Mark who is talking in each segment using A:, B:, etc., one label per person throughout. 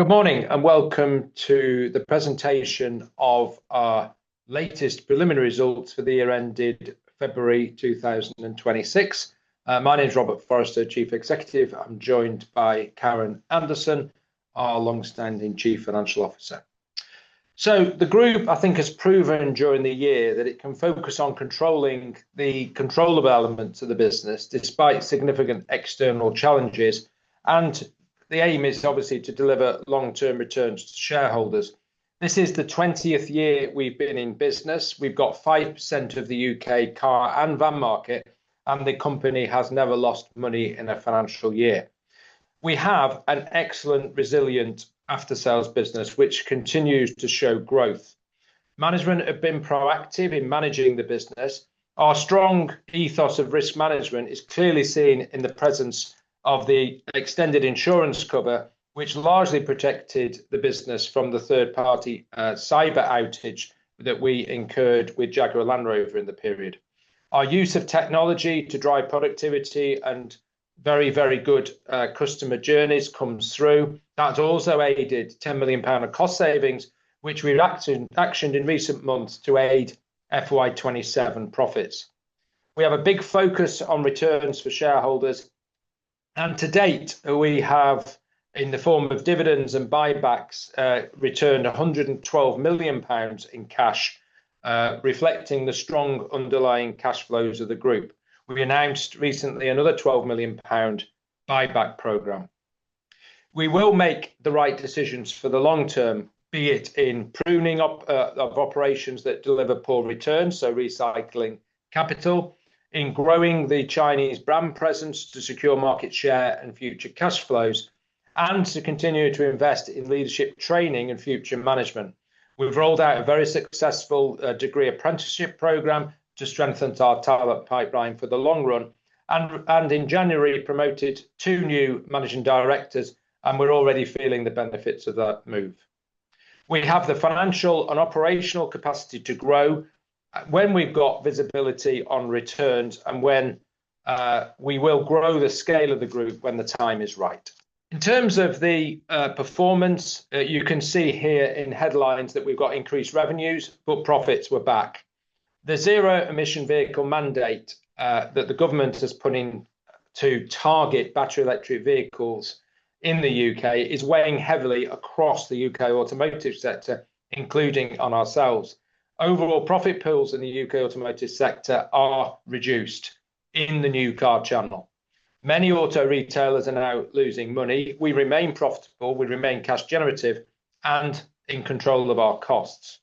A: Good morning, welcome to the presentation of our latest preliminary results for the year ended February 2026. My name's Robert Forrester, Chief Executive. I'm joined by Karen Anderson, our longstanding Chief Financial Officer. The group, I think, has proven during the year that it can focus on controlling the controllable elements of the business despite significant external challenges, and the aim is obviously to deliver long-term returns to shareholders. This is the 20th year we've been in business. We've got 5% of the U.K. car and van market, and the company has never lost money in a financial year. We have an excellent, resilient after-sales business which continues to show growth. Management have been proactive in managing the business. Our strong ethos of risk management is clearly seen in the presence of the extended insurance cover, which largely protected the business from the third-party cyber outage that we incurred with Jaguar Land Rover in the period. Our use of technology to drive productivity and very good customer journeys comes through. That also aided 10 million pound of cost savings, which we actioned in recent months to aid FY 2027 profits. We have a big focus on returns for shareholders. To date, we have, in the form of dividends and buybacks, returned 112 million pounds in cash, reflecting the strong underlying cash flows of the group. We announced recently another 12 million pound buyback program. We will make the right decisions for the long term, be it in pruning operations that deliver poor returns, so recycling capital, in growing the Chinese brand presence to secure market share and future cash flows, and to continue to invest in leadership training and future management. We've rolled out a very successful degree apprenticeship program to strengthen our talent pipeline for the long run and in January promoted 2 new managing directors. We're already feeling the benefits of that move. We have the financial and operational capacity to grow when we've got visibility on returns and when we will grow the scale of the group when the time is right. In terms of the performance, you can see here in headlines that we've got increased revenues. Profits were back. The zero-emission vehicle mandate that the government is putting to target Battery Electric Vehicles in the U.K. is weighing heavily across the U.K. automotive sector, including on ourselves. Overall profit pools in the U.K. automotive sector are reduced in the new car channel. Many auto retailers are now losing money. We remain profitable. We remain cash generative and in control of our costs.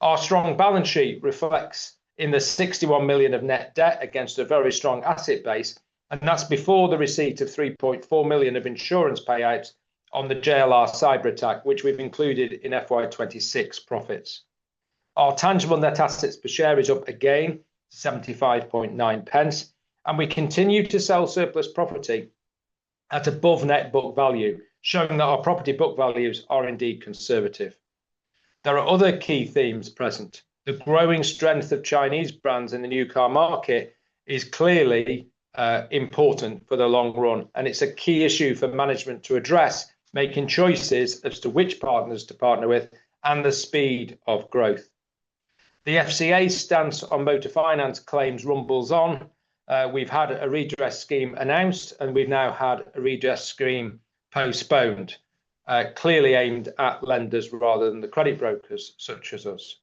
A: Our strong balance sheet reflects in the 61 million of net debt against a very strong asset base, and that's before the receipt of 3.4 million of insurance payouts on the JLR cyber attack, which we've included in FY 2026 profits. Our tangible net assets per share is up again, 0.759, and we continue to sell surplus property at above net book value, showing that our property book values are indeed conservative. There are other key themes present. The growing strength of Chinese brands in the new car market is clearly important for the long run, and it's a key issue for management to address, making choices as to which partners to partner with and the speed of growth. The FCA stance on motor finance claims rumbles on. We've had a redress scheme announced, and we've now had a redress scheme postponed, clearly aimed at lenders rather than the credit brokers such as us.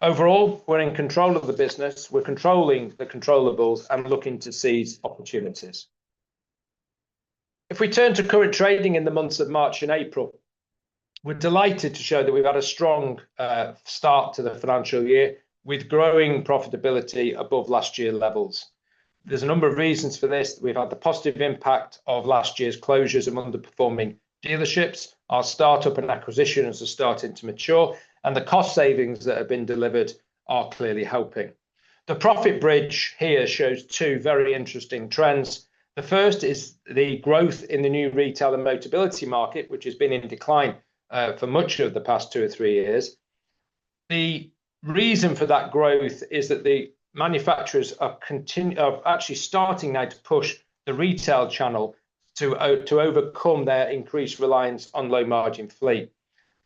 A: Overall, we're in control of the business. We're controlling the controllables and looking to seize opportunities. If we turn to current trading in the months of March and April, we're delighted to show that we've had a strong start to the financial year with growing profitability above last year levels. There's a number of reasons for this. We've had the positive impact of last year's closures and underperforming dealerships. Our startup and acquisitions are starting to mature, and the cost savings that have been delivered are clearly helping. The profit bridge here shows two very interesting trends. The first is the growth in the new retail and Motability market, which has been in decline for much of the past two or three years. The reason for that growth is that the manufacturers are actually starting now to push the retail channel to overcome their increased reliance on low-margin fleet.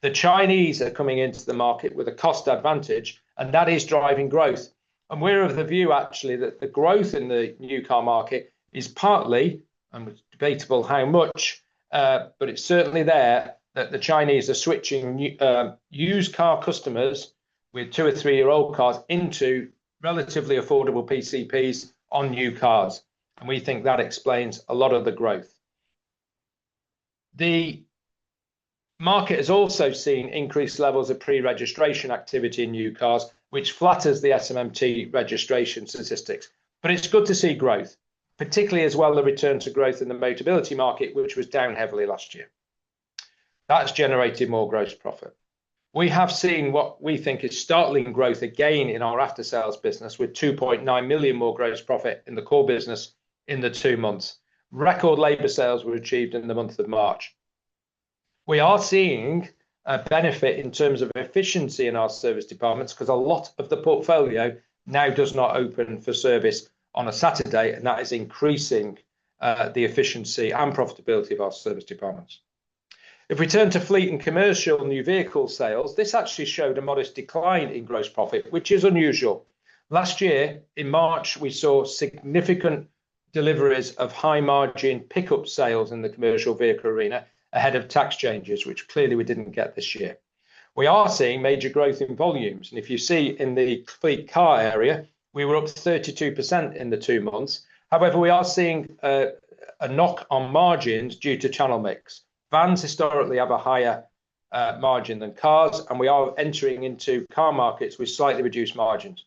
A: The Chinese are coming into the market with a cost advantage, and that is driving growth. We're of the view actually that the growth in the new car market is partly, and it's debatable how much, but it's certainly there, that the Chinese are switching used car customers with two- or three-year-old cars into relatively affordable PCPs on new cars, and we think that explains a lot of the growth. The market has also seen increased levels of pre-registration activity in new cars, which flatters the SMMT registration statistics. It's good to see growth, particularly as well the return to growth in the Motability market, which was down heavily last year. That's generated more gross profit. We have seen what we think is startling growth again in our aftersales business with 2.9 million more gross profit in the core business in the two months. Record labor sales were achieved in the month of March. We are seeing a benefit in terms of efficiency in our service departments 'cause a lot of the portfolio now does not open for service on a Saturday, and that is increasing the efficiency and profitability of our service departments. If we turn to fleet and commercial new vehicle sales, this actually showed a modest decline in gross profit, which is unusual. Last year, in March, we saw significant deliveries of high-margin pickup sales in the commercial vehicle arena ahead of tax changes, which clearly we didn't get this year. We are seeing major growth in volumes, and if you see in the fleet car area, we were up 32% in the two months. However, we are seeing a knock on margins due to channel mix. Vans historically have a higher margin than cars, and we are entering into car markets with slightly reduced margins.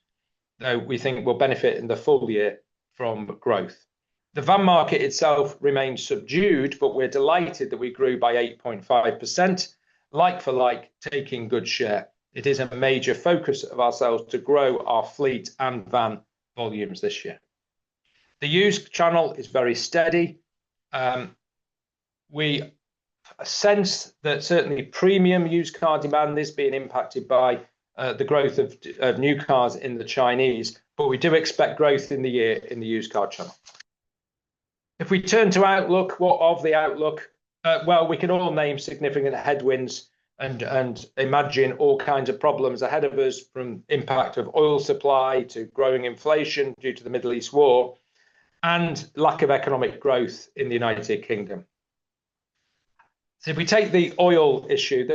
A: We think we'll benefit in the full year from growth. The van market itself remains subdued, but we're delighted that we grew by 8.5% like for like, taking good share. It is a major focus of ourselves to grow our fleet and van volumes this year. The used channel is very steady. We sense that certainly premium used car demand is being impacted by the growth of new cars in the Chinese, but we do expect growth in the year in the used car channel. If we turn to outlook, what of the outlook? Well, we can all name significant headwinds and imagine all kinds of problems ahead of us, from impact of oil supply to growing inflation due to the Middle East war and lack of economic growth in the United Kingdom. If we take the oil issue,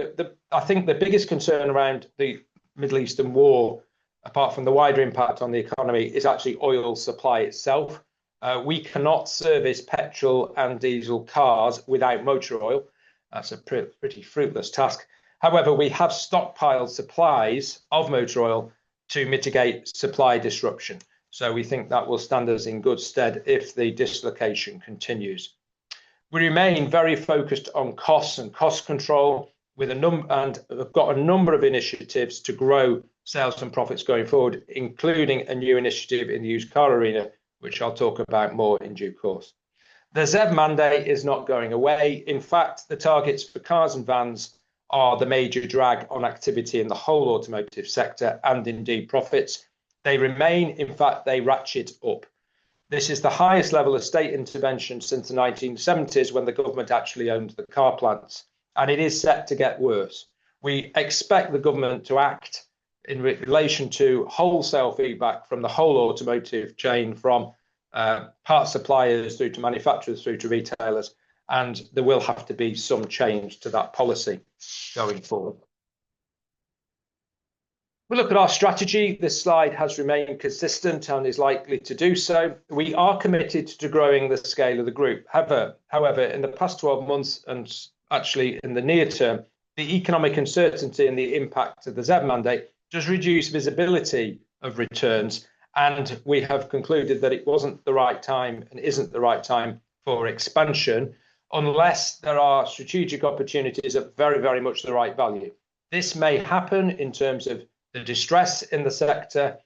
A: I think the biggest concern around the Middle Eastern war, apart from the wider impact on the economy, is actually oil supply itself. We cannot service petrol and diesel cars without motor oil. That's a pretty fruitless task. However, we have stockpiled supplies of motor oil to mitigate supply disruption, so we think that will stand us in good stead if the dislocation continues. We remain very focused on costs and cost control with a number of initiatives to grow sales and profits going forward, including a new initiative in the used car arena, which I'll talk about more in due course. The ZEV mandate is not going away. In fact, the targets for cars and vans are the major drag on activity in the whole automotive sector and indeed profits. They remain. In fact, they ratchet up. This is the highest level of state intervention since the 1970s when the government actually owned the car plants. It is set to get worse. We expect the government to act in relation to wholesale feedback from the whole automotive chain, from parts suppliers through to manufacturers through to retailers. There will have to be some change to that policy going forward. We look at our strategy. This slide has remained consistent and is likely to do so. We are committed to growing the scale of the group. However, in the past 12 months and actually in the near term, the economic uncertainty and the impact of the ZEV mandate does reduce visibility of returns, we have concluded that it wasn't the right time and isn't the right time for expansion unless there are strategic opportunities at very much the right value. This may happen in terms of the distress in the sector,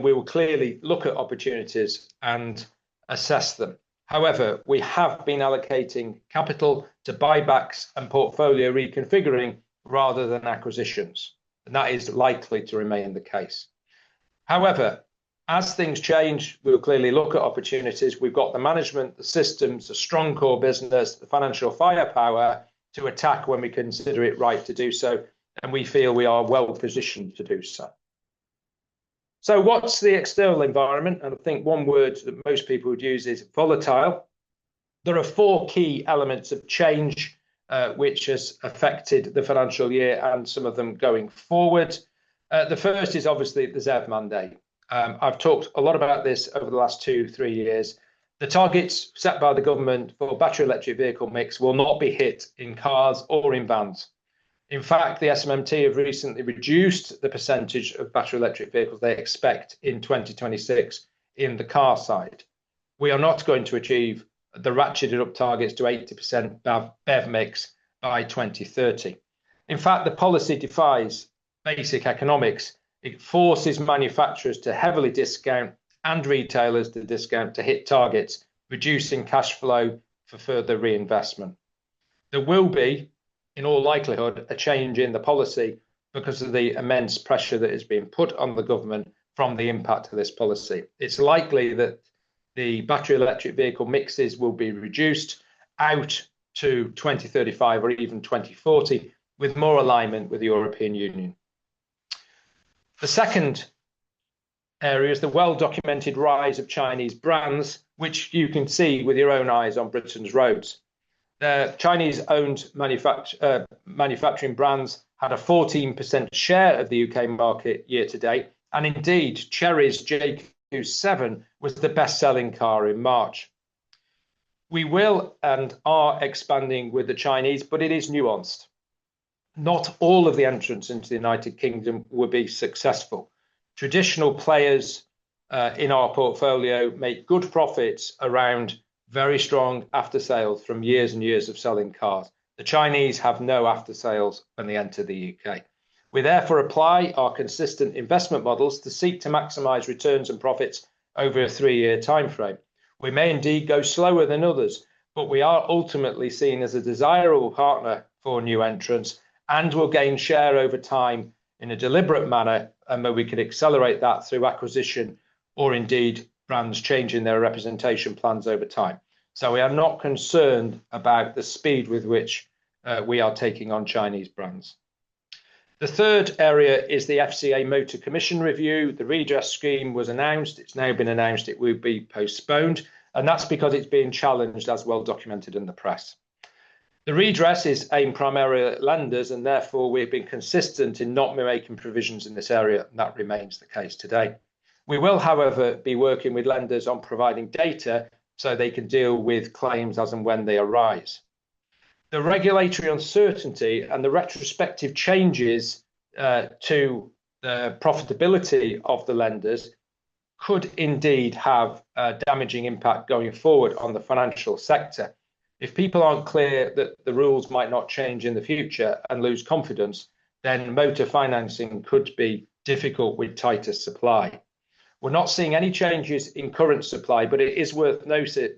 A: we will clearly look at opportunities and assess them. However, we have been allocating capital to buybacks and portfolio reconfiguring rather than acquisitions, that is likely to remain the case. However, as things change, we'll clearly look at opportunities. We've got the management, the systems, the strong core business, the financial firepower to attack when we consider it right to do so, we feel we are well-positioned to do so. What's the external environment? I think one word that most people would use is volatile. There are 4 key elements of change which has affected the financial year and some of them going forward. The first is obviously the ZEV mandate. I've talked a lot about this over the last 2-3 years. The targets set by the government for Battery Electric Vehicle mix will not be hit in cars or in vans. In fact, the SMMT have recently reduced the % of Battery Electric Vehicles they expect in 2026 in the car side. We are not going to achieve the ratcheted up targets to 80% BEV mix by 2030. In fact, the policy defies basic economics. It forces manufacturers to heavily discount and retailers to discount to hit targets, reducing cash flow for further reinvestment. There will be, in all likelihood, a change in the policy because of the immense pressure that is being put on the government from the impact of this policy. It's likely that the Battery Electric Vehicle mixes will be reduced out to 2035 or even 2040 with more alignment with the European Union. The second area is the well-documented rise of Chinese brands, which you can see with your own eyes on Britain's roads. Chinese-owned manufacturing brands had a 14% share of the U.K. market year to date, and indeed, Chery's QQ7 was the best-selling car in March. We will and are expanding with the Chinese, but it is nuanced. Not all of the entrants into the United Kingdom will be successful. Traditional players in our portfolio make good profits around very strong aftersales from years and years of selling cars. The Chinese have no aftersales when they enter the U.K. We therefore apply our consistent investment models to seek to maximize returns and profits over a 3-year timeframe. We may indeed go slower than others, but we are ultimately seen as a desirable partner for new entrants and will gain share over time in a deliberate manner. We could accelerate that through acquisition or indeed brands changing their representation plans over time. We are not concerned about the speed with which we are taking on Chinese brands. The 3rd area is the FCA Motor Commission review. The redress scheme was announced. It's now been announced it will be postponed. That's because it's being challenged, as well documented in the press. The redress is aimed primarily at lenders. Therefore, we've been consistent in not making provisions in this area. That remains the case today. We will, however, be working with lenders on providing data so they can deal with claims as and when they arise. The regulatory uncertainty and the retrospective changes to the profitability of the lenders could indeed have a damaging impact going forward on the financial sector. If people aren't clear that the rules might not change in the future and lose confidence, motor financing could be difficult with tighter supply. We're not seeing any changes in current supply, but it is worth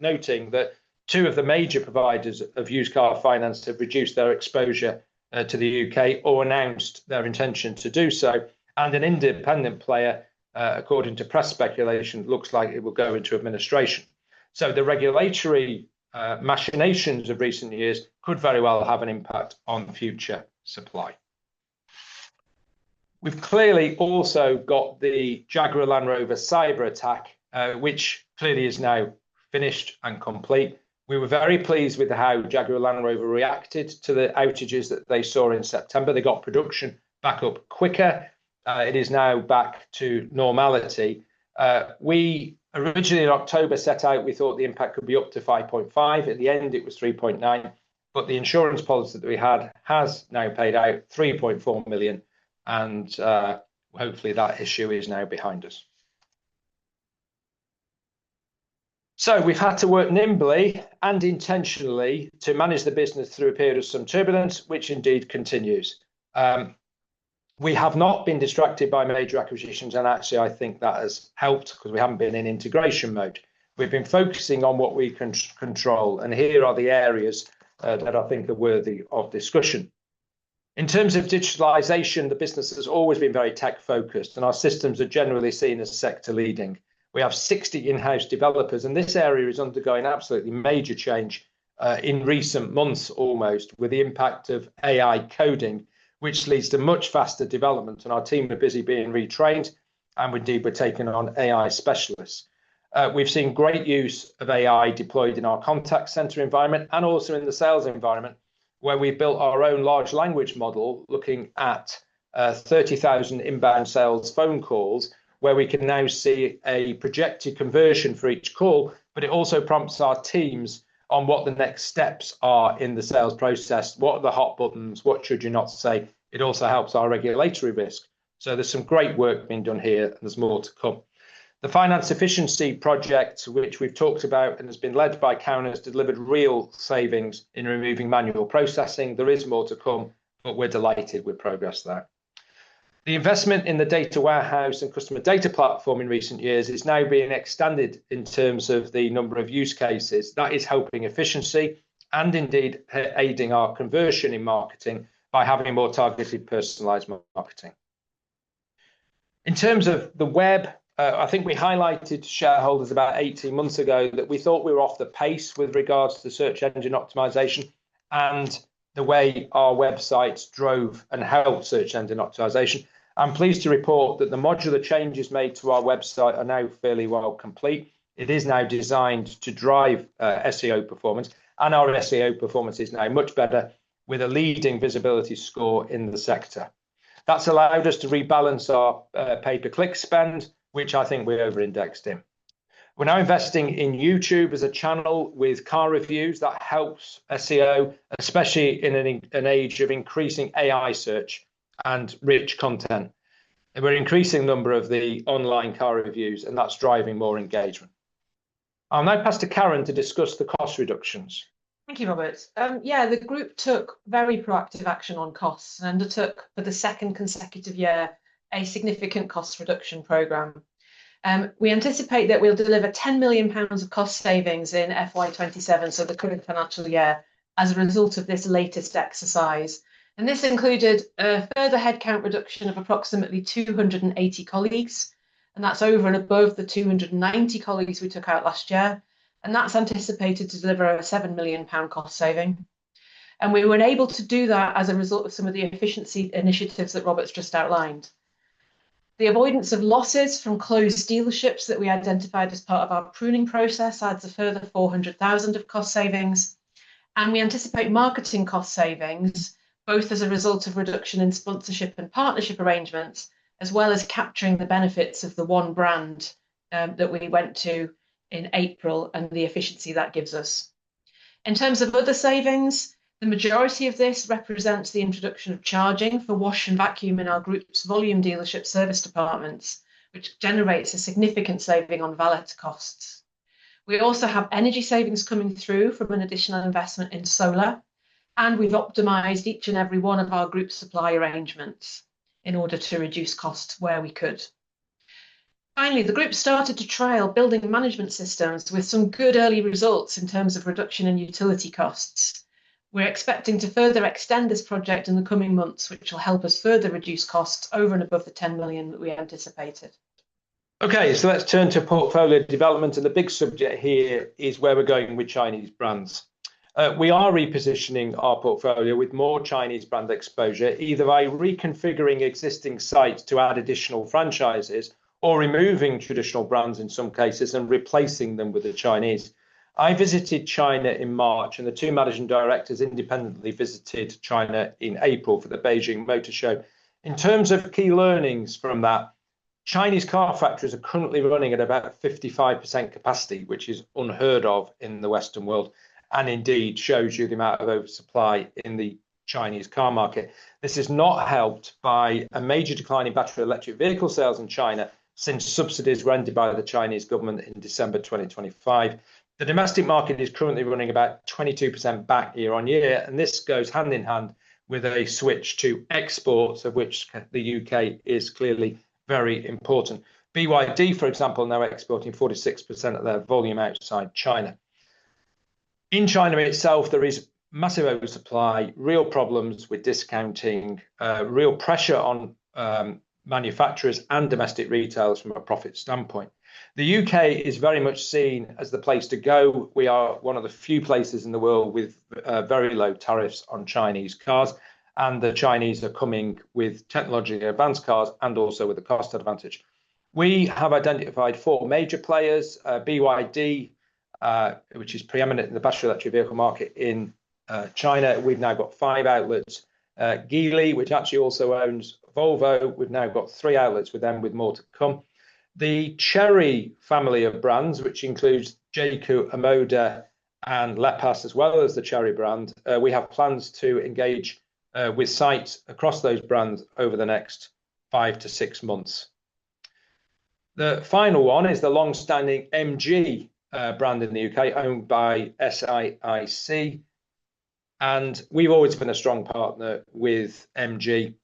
A: noting that two of the major providers of used car finance have reduced their exposure to the U.K. or announced their intention to do so, and an independent player, according to press speculation, looks like it will go into adMINIstration. The regulatory machinations of recent years could very well have an impact on future supply. We've clearly also got the Jaguar Land Rover cyberattack, which clearly is now finished and complete. We were very pleased with how Jaguar Land Rover reacted to the outages that they saw in September. They got production back up quicker. It is now back to normality. We originally in October set out, we thought the impact could be up to 5.5. At the end, it was 3.9. The insurance policy that we had has now paid out 3.4 million, and hopefully that issue is now behind us. We've had to work nimbly and intentionally to manage the business through a period of some turbulence, which indeed continues. We have not been distracted by major acquisitions, and actually, I think that has helped because we haven't been in integration mode. We've been focusing on what we control. Here are the areas that I think are worthy of discussion. In terms of digitalization, the business has always been very tech-focused. Our systems are generally seen as sector-leading. We have 60 in-house developers. This area is undergoing absolutely major change in recent months almost, with the impact of AI coding, which leads to much faster development. Our team are busy being retrained and indeed we're taking on AI specialists. We've seen great use of AI deployed in our contact center environment and also in the sales environment, where we built our own large language model looking at 30,000 inbound sales phone calls where we can now see a projected conversion for each call. It also prompts our teams on what the next steps are in the sales process. What are the hot buttons? What should you not say? It also helps our regulatory risk. There's some great work being done here. There's more to come. The finance efficiency project, which we've talked about and has been led by Karen, has delivered real savings in removing manual processing. There is more to come, but we're delighted with progress there. The investment in the data warehouse and customer data platform in recent years is now being extended in terms of the number of use cases. That is helping efficiency and indeed aiding our conversion in marketing by having more targeted personalized marketing. In terms of the web, I think we highlighted to shareholders about 18 months ago that we thought we were off the pace with regards to search engine optimization and the way our websites drove and helped search engine optimization. I'm pleased to report that the modular changes made to our website are now fairly well complete. It is now designed to drive SEO performance, and our SEO performance is now much better with a leading visibility score in the sector. That's allowed us to rebalance our pay-per-click spend, which I think we over-indexed in. We're now investing in YouTube as a channel with car reviews that helps SEO, especially in an age of increasing AI search and rich content. We're increasing number of the online car reviews, and that's driving more engagement. I'll now pass to Karen to discuss the cost reductions.
B: Thank you, Robert. The group took very proactive action on costs and undertook for the 2nd consecutive year a significant cost reduction program. We anticipate that we'll deliver 10 million pounds of cost savings in FY 2027, so the current financial year, as a result of this latest exercise. This included a further headcount reduction of approximately 280 colleagues, that's over and above the 290 colleagues we took out last year, that's anticipated to deliver a 7 million pound cost saving. We were able to do that as a result of some of the efficiency initiatives that Robert's just outlined. The avoidance of losses from closed dealerships that we identified as part of our pruning process adds a further 400,000 of cost savings. We anticipate marketing cost savings, both as a result of reduction in sponsorship and partnership arrangements, as well as capturing the benefits of the 1 brand that we went to in April and the efficiency that gives us. In terms of other savings, the majority of this represents the introduction of charging for wash and vacuum in our group's volume dealership service departments, which generates a significant saving on valet costs. We also have energy savings coming through from an additional investment in solar, and we've optimized each and every 1 of our group's supply arrangements in order to reduce costs where we could. The group started to trial building management systems with some good early results in terms of reduction in utility costs. We're expecting to further extend this project in the coming months, which will help us further reduce costs over and above the 10 million that we anticipated.
A: Let's turn to portfolio development, and the big subject here is where we're going with Chinese brands. We are repositioning our portfolio with more Chinese brand exposure, either by reconfiguring existing sites to add additional franchises or removing traditional brands in some cases and replacing them with the Chinese. I visited China in March, and the two managing directors independently visited China in April for the Beijing Motor Show. In terms of key learnings from that, Chinese car factories are currently running at about a 55% capacity, which is unheard of in the Western world, and indeed shows you the amount of oversupply in the Chinese car market. This is not helped by a major decline in Battery Electric Vehicle sales in China since subsidies were ended by the Chinese government in December 2025. The domestic market is currently running about 22% back year-on-year. This goes hand in hand with a switch to exports, of which the U.K. is clearly very important. BYD, for example, are now exporting 46% of their volume outside China. In China in itself, there is massive oversupply, real problems with discounting, real pressure on manufacturers and domestic retailers from a profit standpoint. The U.K. is very much seen as the place to go. We are one of the few places in the world with very low tariffs on Chinese cars. The Chinese are coming with technologically advanced cars and also with a cost advantage. We have identified four major players. BYD, which is preeminent in the Battery Electric Vehicle market in China. We've now got five outlets. Geely, which actually also owns Volvo. We've now got 3 outlets with them, with more to come. The Chery family of brands, which includes Jaecoo, Omoda, and Leapmotor, as well as the Chery brand. We have plans to engage with sites across those brands over the next 5-6 months. The final one is the long-standing MG brand in the U.K., owned by SAIC. We've always been a strong partner with MG,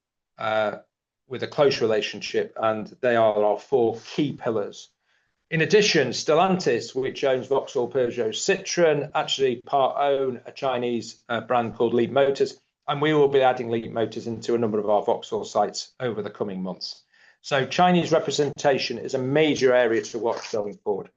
A: with a close relationship, and they are our 4 key pillars. In addition, Stellantis, which owns Vauxhall, Peugeot, Citroën, actually part-own a Chinese brand called Leapmotor, and we will be adding Leapmotor into a number of our Vauxhall sites over the coming months. Chinese representation is a major area to watch going forward.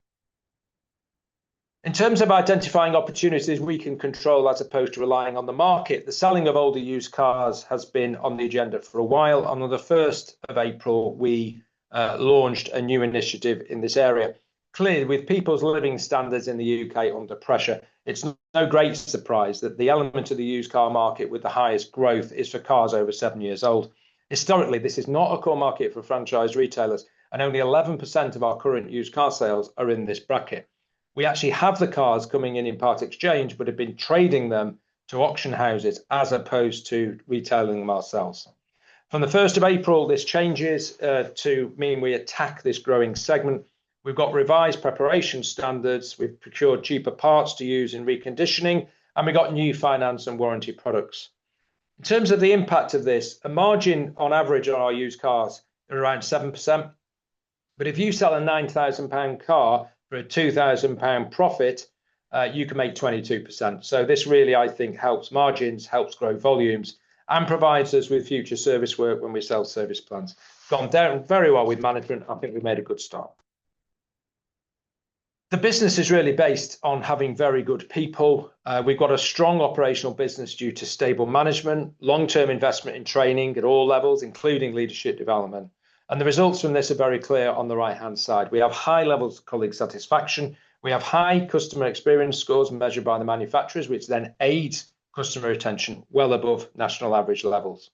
A: In terms of identifying opportunities we can control as opposed to relying on the market, the selling of older used cars has been on the agenda for a while. On the 1st of April, we launched a new initiative in this area. Clearly, with people's living standards in the U.K. under pressure, it's no great surprise that the element of the used car market with the highest growth is for cars over seven years old. Historically, this is not a core market for franchise retailers, and only 11% of our current used car sales are in this bracket. We actually have the cars coming in in part exchange, but have been trading them to auction houses as opposed to retailing them ourselves. From the 1st of April, this changes to mean we attack this growing segment. We've got revised preparation standards. We've procured cheaper parts to use in reconditioning. We got new finance and warranty products. In terms of the impact of this, a margin on average on our used cars is around 7%. If you sell a 9,000 pound car for a 2,000 pound profit, you can make 22%. This really, I think, helps margins, helps grow volumes, and provides us with future service work when we sell service plans. Gone down very well with management. I think we made a good start. The business is really based on having very good people. We've got a strong operational business due to stable management, long-term investment in training at all levels, including leadership development. The results from this are very clear on the right-hand side. We have high levels of colleague satisfaction. We have high customer experience scores measured by the manufacturers, which then aids customer retention well above national average levels.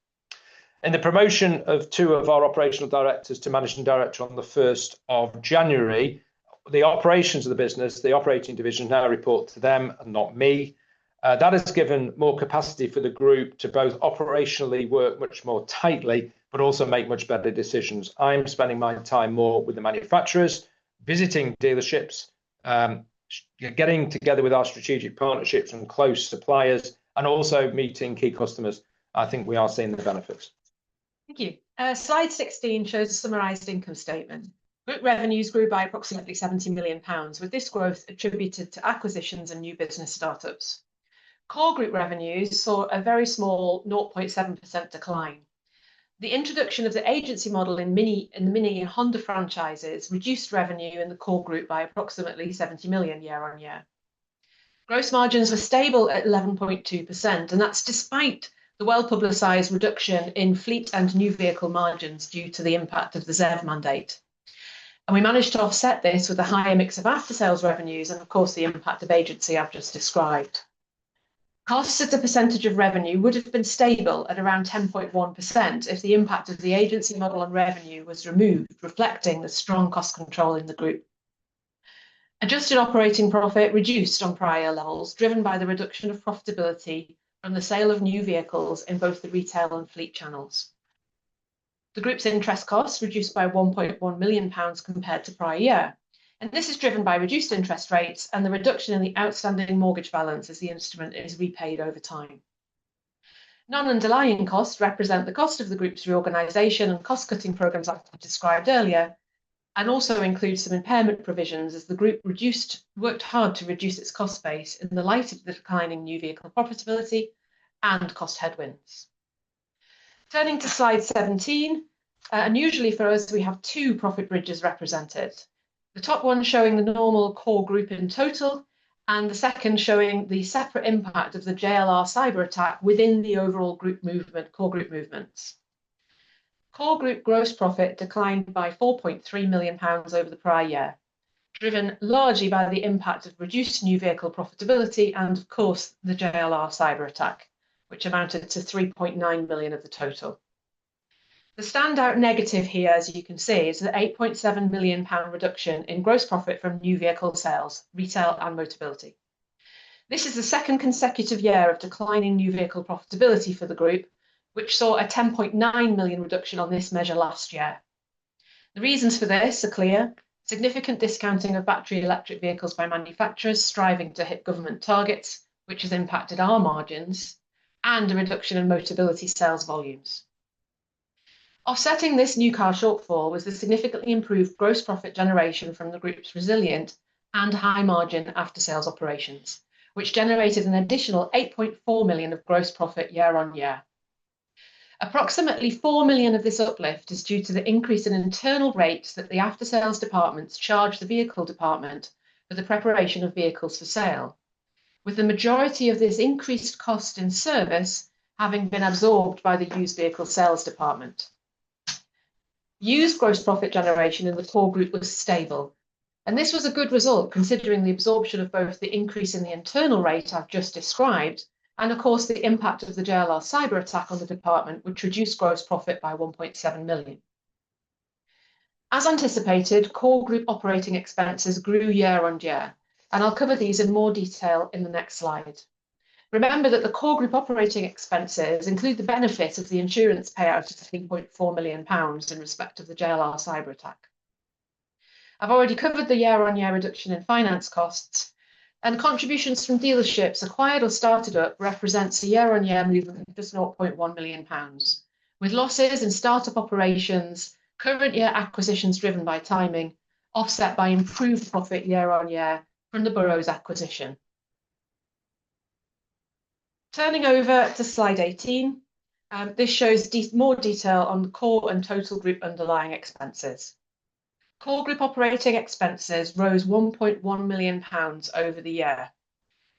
A: In the promotion of 2 of our operational directors to managing director on the 1st of January, the operations of the business, the operating division now report to them and not me. That has given more capacity for the group to both operationally work much more tightly but also make much better decisions. I am spending my time more with the manufacturers, visiting dealerships, getting together with our strategic partnerships and close suppliers, and also meeting key customers. I think we are seeing the benefits.
B: Thank you. Slide 16 shows a summarized income statement. Group revenues grew by approximately 70 million pounds, with this growth attributed to acquisitions and new business startups. Core group revenues saw a very small 0.7% decline. The introduction of the agency model in MINI, in the MINI and Honda franchises reduced revenue in the core group by approximately 70 million year-on-year. Gross margins were stable at 11.2%, despite the well-publicized reduction in fleet and new vehicle margins due to the impact of the ZEV mandate. We managed to offset this with a higher mix of after-sales revenues and of course, the impact of agency I've just described. Costs as a percentage of revenue would have been stable at around 10.1% if the impact of the agency model on revenue was removed, reflecting the strong cost control in the group. Adjusted operating profit reduced on prior levels, driven by the reduction of profitability from the sale of new vehicles in both the retail and fleet channels. The group's interest costs reduced by 1.1 million pounds compared to prior year, and this is driven by reduced interest rates and the reduction in the outstanding mortgage balance as the instrument is repaid over time. Non-underlying costs represent the cost of the group's reorganization and cost-cutting programs I described earlier, and also includes some impairment provisions as the group worked hard to reduce its cost base in the light of the declining new vehicle profitability and cost headwinds. Turning to slide 17, unusually for us, we have two profit bridges represented. The top one showing the normal core group in total, and the second showing the separate impact of the JLR cyber attack within the overall core group movements. Core group gross profit declined by 4.3 million pounds over the prior year, driven largely by the impact of reduced new vehicle profitability and of course, the JLR cyber attack, which amounted to 3.9 million of the total. The standout negative here, as you can see, is the 8.7 million pound reduction in gross profit from new vehicle sales, retail and Motability. This is the second consecutive year of declining new vehicle profitability for the group, which saw a 10.9 million reduction on this measure last year. The reasons for this are clear. Significant discounting of Battery Electric Vehicles by manufacturers striving to hit government targets, which has impacted our margins and a reduction in Motability sales volumes. Offsetting this new car shortfall was the significantly improved gross profit generation from the group's resilient and high-margin after-sales operations, which generated an additional 8.4 million of gross profit year-on-year. Approximately 4 million of this uplift is due to the increase in internal rates that the after-sales departments charge the vehicle department for the preparation of vehicles for sale. With the majority of this increased cost in service having been absorbed by the used vehicle sales department. Used gross profit generation in the core group was stable, this was a good result considering the absorption of both the increase in the internal rate I've just described, and of course, the impact of the JLR cyber attack on the department, which reduced gross profit by 1.7 million. As anticipated, core group operating expenses grew year-on-year, I'll cover these in more detail in the next slide. Remember that the core group operating expenses include the benefit of the insurance payout of 3.4 million pounds in respect of the JLR cyber attack. I've already covered the year-on-year reduction in finance costs, contributions from dealerships acquired or started up represents a year-on-year movement of 0.1 million pounds. With losses in start-up operations, current year acquisitions driven by timing, offset by improved profit year-on-year from the Burrows acquisition. Turning over to slide 18, this shows more detail on core and total group underlying expenses. Core group operating expenses rose 1.1 million pounds over the year.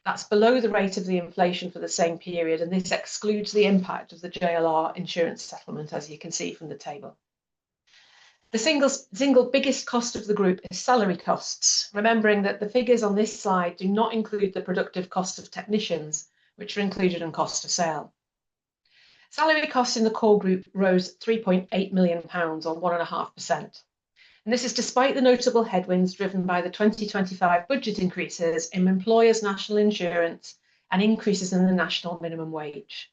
B: That's below the rate of the inflation for the same period, and this excludes the impact of the JLR insurance settlement, as you can see from the table. The single biggest cost of the group is salary costs, remembering that the figures on this slide do not include the productive cost of technicians, which are included in cost of sale. Salary costs in the core group rose 3.8 million pounds or 1.5%. This is despite the notable headwinds driven by the 2025 budget increases in employers' National Insurance and increases in the National MINImum Wage.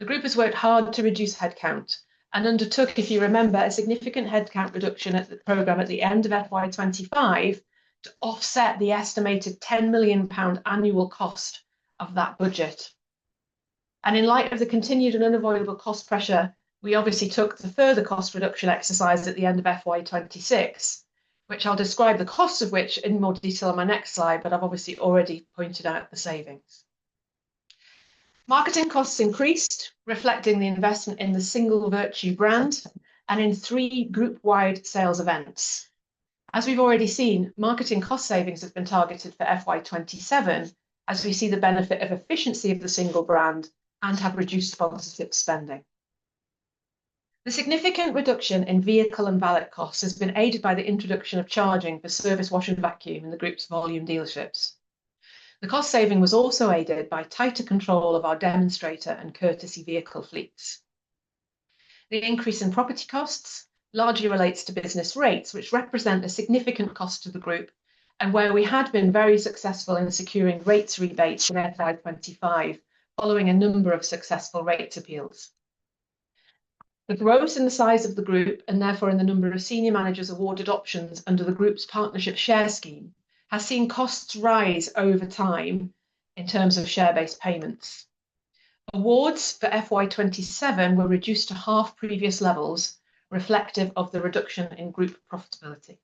B: The group has worked hard to reduce headcount and undertook, if you remember, a significant headcount reduction at the program at the end of FY 2025 to offset the estimated 10 million pound annual cost of that budget. In light of the continued and unavoidable cost pressure, we obviously took the further cost reduction exercise at the end of FY 2026, which I'll describe the cost of which in more detail on my next slide, I've obviously already pointed out the savings. Marketing costs increased, reflecting the investment in the single Vertu brand and in 3 group-wide sales events. As we've already seen, marketing cost savings have been targeted for FY 2027, as we see the benefit of efficiency of the single brand and have reduced sponsorship spending. The significant reduction in vehicle and valet costs has been aided by the introduction of charging for service wash and vacuum in the group's volume dealerships. The cost saving was also aided by tighter control of our demonstrator and courtesy vehicle fleets. The increase in property costs largely relates to business rates, which represent a significant cost to the group, and where we had been very successful in securing rates rebates in FY 2025, following a number of successful rates appeals. The growth in the size of the group, and therefore in the number of senior managers awarded options under the group's partnership share scheme, has seen costs rise over time in terms of share-based payments. Awards for FY 2027 were reduced to half previous levels, reflective of the reduction in group profitability.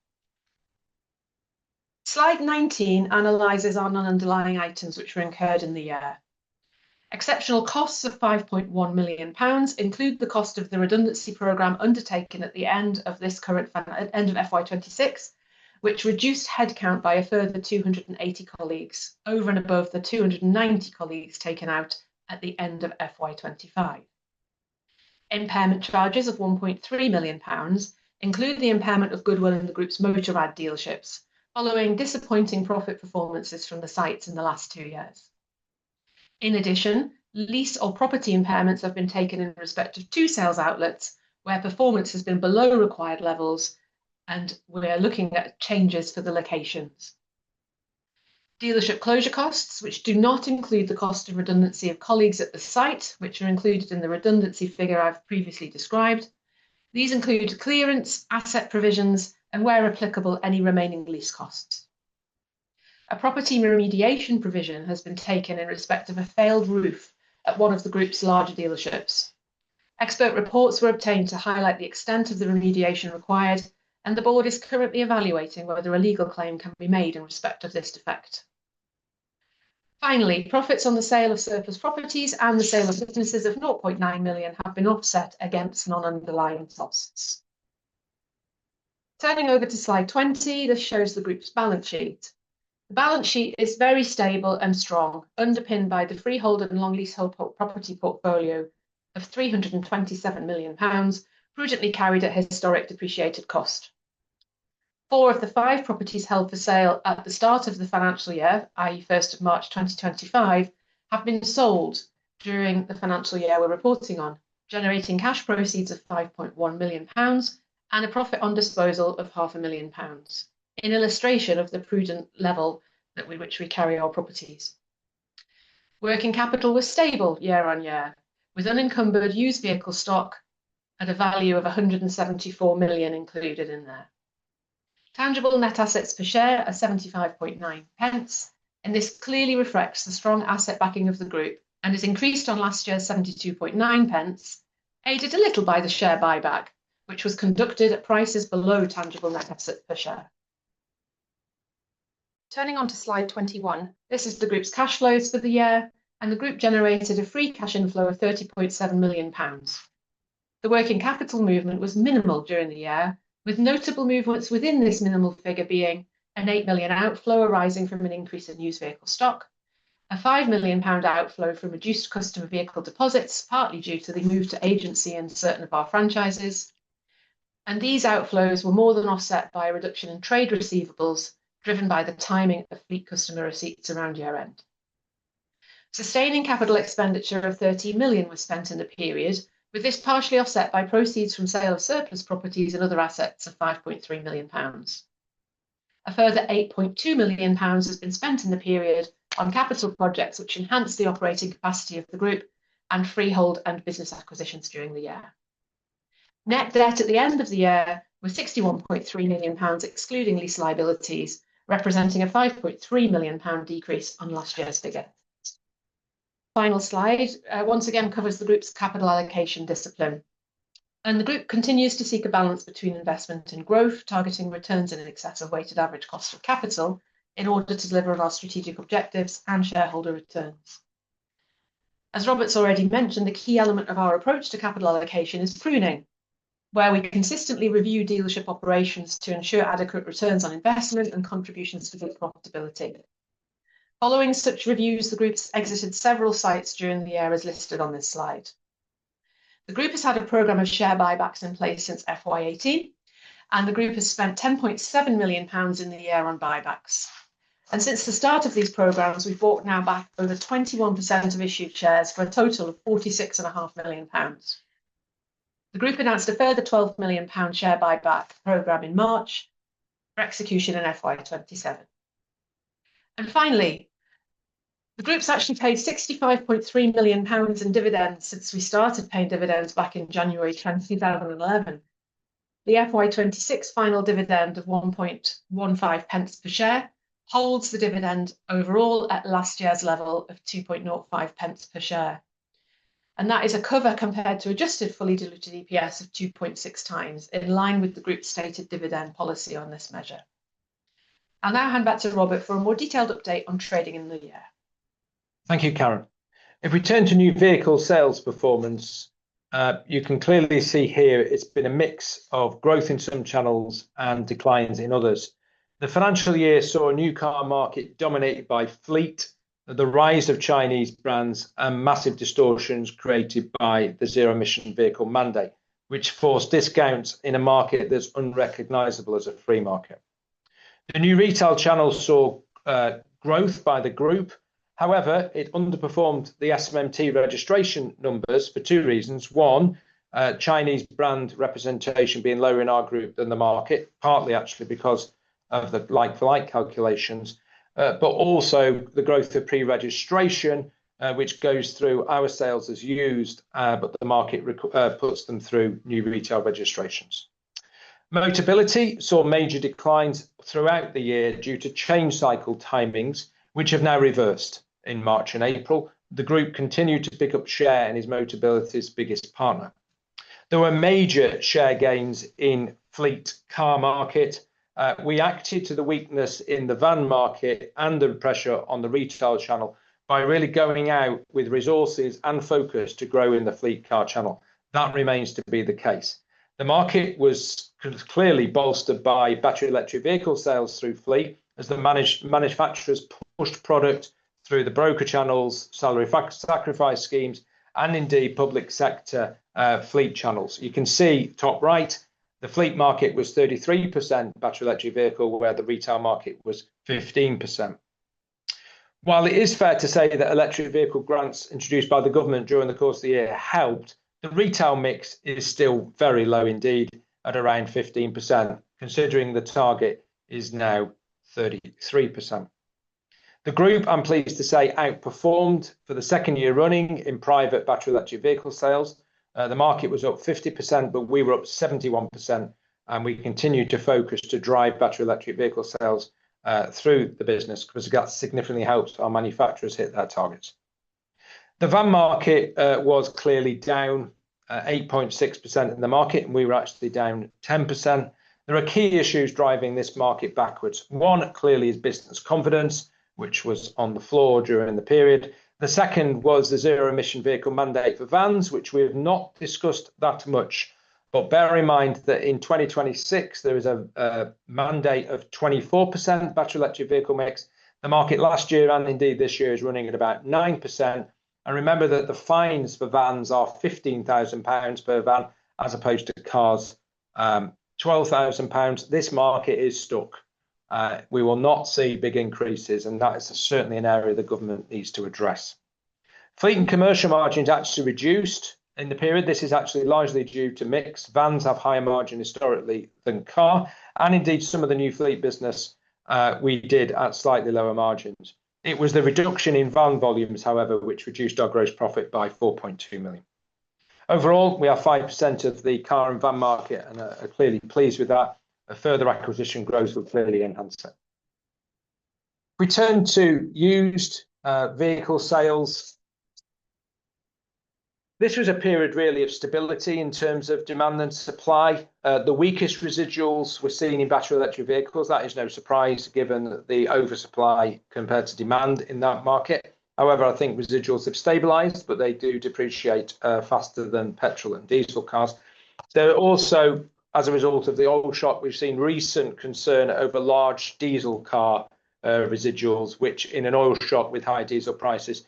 B: Slide 19 analyzes our non-underlying items which were incurred in the year. Exceptional costs of 5.1 million pounds include the cost of the redundancy program undertaken at the end of this current end of FY 2026, which reduced headcount by a further 280 colleagues over and above the 290 colleagues taken out at the end of FY 2025. Impairment charges of 1.3 million pounds include the impairment of goodwill in the group's Motorrad dealerships, following disappointing profit performances from the sites in the last 2 years. In addition, lease or property impairments have been taken in respect of 2 sales outlets where performance has been below required levels, we are looking at changes for the locations. Dealership closure costs, which do not include the cost of redundancy of colleagues at the site, which are included in the redundancy figure I've previously described. These include clearance, asset provisions, and where applicable, any remaining lease costs. A property remediation provision has been taken in respect of a failed roof at one of the group's larger dealerships. Expert reports were obtained to highlight the extent of the remediation required, and the board is currently evaluating whether a legal claim can be made in respect of this defect. Finally, profits on the sale of surplus properties and the sale of businesses of 0.9 million have been offset against non-underlying costs. Turning over to slide 20, this shows the group's balance sheet. The balance sheet is very stable and strong, underpinned by the freehold and long leasehold property portfolio of 327 million pounds prudently carried at historic depreciated cost. Four of the five properties held for sale at the start of the financial year, i.e., 1st of March 2025, have been sold during the financial year we're reporting on, generating cash proceeds of 5.1 million pounds and a profit on disposal of half a million GBP, an illustration of the prudent level that we which we carry our properties. Working capital was stable year-on-year, with unencumbered used vehicle stock at a value of 174 million included in there. Tangible net assets per share are 0.759, This clearly reflects the strong asset backing of the group and has increased on last year's 0.729, aided a little by the share buyback, which was conducted at prices below tangible net asset per share. Turning on to slide 21, this is the group's cash flows for the year. The group generated a free cash inflow of 30.7 million pounds. The working capital movement was MINImal during the year, with notable movements within this MINImal figure being a 8 million outflow arising from an increase in used vehicle stock, a 5 million pound outflow from reduced customer vehicle deposits, partly due to the move to agency in certain of our franchises. These outflows were more than offset by a reduction in trade receivables, driven by the timing of fleet customer receipts around year-end. Sustaining capital expenditure of 30 million was spent in the period, with this partially offset by proceeds from sale of surplus properties and other assets of 5.3 million pounds. A further 8.2 million pounds has been spent in the period on capital projects which enhanced the operating capacity of the group and freehold and business acquisitions during the year. Net debt at the end of the year was 61.3 million pounds, excluding lease liabilities, representing a 5.3 million pound decrease on last year's figure. Final slide, once again covers the group's capital allocation discipline. The group continues to seek a balance between investment and growth, targeting returns in excess of weighted average cost of capital in order to deliver on our strategic objectives and shareholder returns. As Robert's already mentioned, the key element of our approach to capital allocation is pruning, where we consistently review dealership operations to ensure adequate returns on investment and contributions to group profitability. Following such reviews, the group's exited several sites during the year, as listed on this slide. The group has had a program of share buybacks in place since FY 2018, and the group has spent 10.7 million pounds in the year on buybacks. Since the start of these programs, we've bought now back over 21% of issued shares for a total of 46.5 million pounds. The group announced a further 12 million pound share buyback program in March for execution in FY 2027. Finally, the group's actually paid 65.3 million pounds in dividends since we started paying dividends back in January 2011. The FY 2026 final dividend of 0.0115 per share holds the dividend overall at last year's level of 0.0205 per share. That is a cover compared to adjusted fully diluted EPS of 2.6x, in line with the group's stated dividend policy on this measure. I'll now hand back to Robert for a more detailed update on trading in the year.
A: Thank you, Karen. If we turn to new vehicle sales performance, you can clearly see here it's been a mix of growth in some channels and declines in others. The financial year saw a new car market dominated by fleet, the rise of Chinese brands, and massive distortions created by the Zero Emission Vehicle mandate, which forced discounts in a market that's unrecognizable as a free market. The new retail channel saw growth by the group. However, it underperformed the SMMT registration numbers for two reasons. One, Chinese brand representation being lower in our group than the market, partly actually because of the like-for-like calculations, but also the growth of pre-registration, which goes through our sales as used, but the market puts them through new retail registrations. Motability saw major declines throughout the year due to change cycle timings, which have now reversed in March and April. The group continued to pick up share in its Motability's biggest partner. There were major share gains in fleet car market. We acted to the weakness in the van market and the pressure on the retail channel by really going out with resources and focus to grow in the fleet car channel. That remains to be the case. The market was clearly bolstered by Battery Electric Vehicle sales through fleet as the manufacturers pushed product through the broker channels, salary sacrifice schemes and indeed public sector fleet channels. You can see, top right, the fleet market was 33% Battery Electric Vehicle, where the retail market was 15%. While it is fair to say that electric vehicle grants introduced by the government during the course of the year helped, the retail mix is still very low indeed at around 15%, considering the target is now 33%. The group, I'm pleased to say, outperformed for the second year running in private Battery Electric Vehicle sales. The market was up 50%, but we were up 71%, and we continued to focus to drive Battery Electric Vehicle sales through the business because that significantly helps our manufacturers hit their targets. The van market was clearly down 8.6% in the market, and we were actually down 10%. There are key issues driving this market backwards. One, clearly, is business confidence, which was on the floor during the period. The second was the Zero Emission Vehicle mandate for vans, which we have not discussed that much. Bear in mind that in 2026, there is a mandate of 24% Battery Electric Vehicle mix. The market last year, and indeed this year, is running at about 9%. Remember that the fines for vans are 15,000 pounds per van as opposed to cars, 12,000 pounds. This market is stuck. We will not see big increases, and that is certainly an area the government needs to address. Fleet and commercial margins actually reduced in the period. This is actually largely due to mix. Vans have higher margin historically than car, and indeed, some of the new fleet business, we did at slightly lower margins. It was the reduction in van volumes, however, which reduced our gross profit by 4.2 million. Overall, we are 5% of the car and van market and are clearly pleased with that. A further acquisition grows will clearly enhance that. We turn to used vehicle sales. This was a period really of stability in terms of demand and supply. The weakest residuals we're seeing in Battery Electric Vehicles. That is no surprise given the oversupply compared to demand in that market. I think residuals have stabilized, but they do depreciate faster than petrol and diesel cars. Also, as a result of the oil shock, we've seen recent concern over large diesel car residuals, which in an oil shock with high diesel prices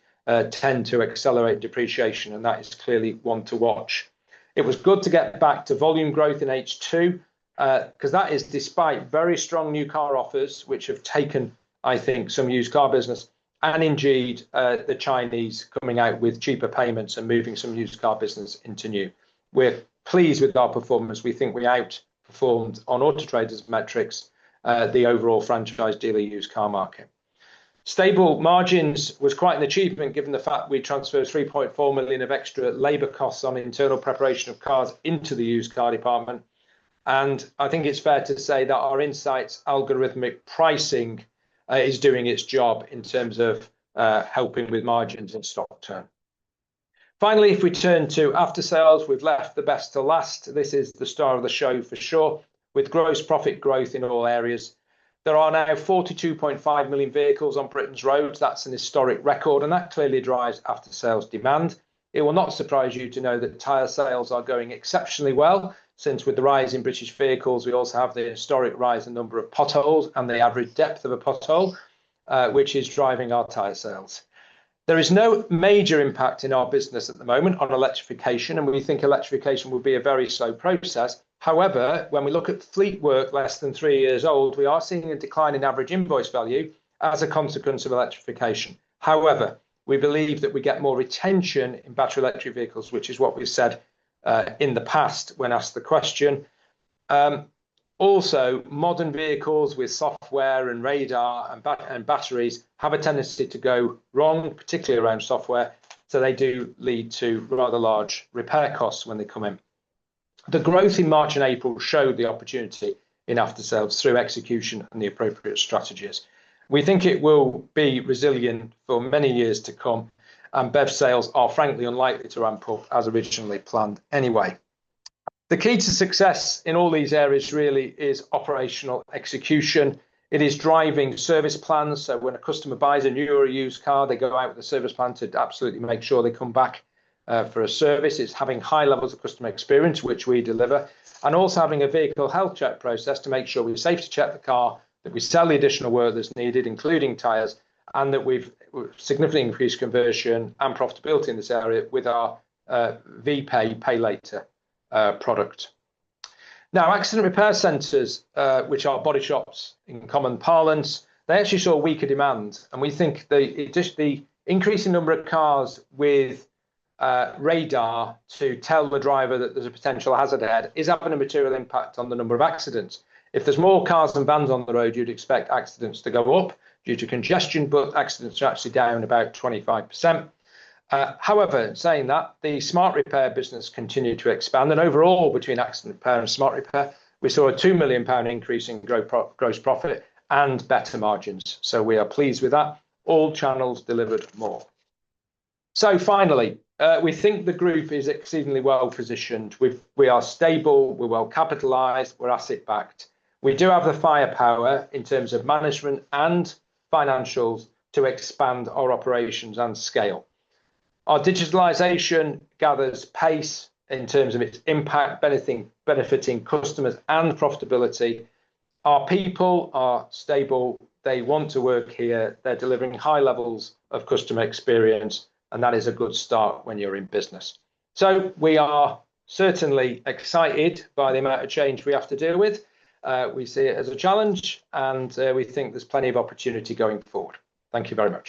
A: tend to accelerate depreciation, and that is clearly one to watch. It was good to get back to volume growth in H2, 'cause that is despite very strong new car offers, which have taken, I think, some used car business, and indeed, the Chinese coming out with cheaper payments and moving some used car business into new. We're pleased with our performance. We think we outperformed on Auto Trader's metrics, the overall franchised daily used car market. Stable margins was quite an achievement given the fact we transferred 3.4 million of extra labor costs on internal preparation of cars into the used car department. I think it's fair to say that our insights algorithmic pricing is doing its job in terms of helping with margins and stock turn. Finally, if we turn to aftersales, we've left the best to last. This is the star of the show for sure with gross profit growth in all areas. There are now 42.5 million vehicles on Britain's roads. That's an historic record, that clearly drives aftersales demand. It will not surprise you to know that tire sales are going exceptionally well since with the rise in British vehicles, we also have the historic rise in number of potholes and the average depth of a pothole, which is driving our tire sales. There is no major impact in our business at the moment on electrification, we think electrification will be a very slow process. However, when we look at fleet work less than 3 years old, we are seeing a decline in average invoice value as a consequence of electrification. We believe that we get more retention in Battery Electric Vehicles, which is what we've said in the past when asked the question. Modern vehicles with software and radar and batteries have a tendency to go wrong, particularly around software, so they do lead to rather large repair costs when they come in. The growth in March and April showed the opportunity in aftersales through execution and the appropriate strategies. We think it will be resilient for many years to come, and BEV sales are frankly unlikely to ramp up as originally planned anyway. The key to success in all these areas really is operational execution. It is driving service plans. When a customer buys a new or a used car, they go out with a service plan to absolutely make sure they come back for a service. It's having high levels of customer experience, which we deliver. Also having a vehicle health check process to make sure we've safety checked the car, that we sell the additional work that's needed, including tires, and that we've significantly increased conversion and profitability in this area with our Vpay Pay Later product. Now, accident repair centers, which are body shops in common parlance, they actually saw weaker demand. We think the just the increasing number of cars with radar to tell the driver that there's a potential hazard ahead is having a material impact on the number of accidents. If there's more cars than vans on the road, you'd expect accidents to go up due to congestion, but accidents are actually down about 25%. However, saying that, the smart repair business continued to expand. Overall, between accident repair and smart repair, we saw a 2 million pound increase in gross profit and better margins. We are pleased with that. All channels delivered more. Finally, we think the group is exceedingly well positioned. We are stable. We're well capitalized. We're asset backed. We do have the firepower in terms of management and financials to expand our operations and scale. Our digitalization gathers pace in terms of its impact, benefiting customers and profitability. Our people are stable. They want to work here. They're delivering high levels of customer experience. That is a good start when you're in business. We are certainly excited by the amount of change we have to deal with. We see it as a challenge. We think there's plenty of opportunity going forward. Thank you very much.